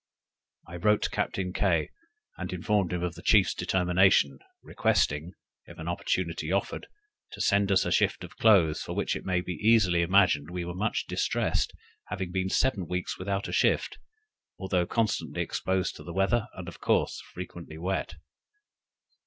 I wrote to Captain Kay, and informed him of the chief's determination, requesting, if an opportunity offered, to send us a shift of clothes, for which it may be easily imagined we were much distressed, having been seven weeks without a shift; although constantly exposed to the weather, and of course frequently wet.